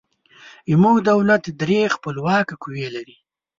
زموږ دولت درې خپلواکه قوې لري.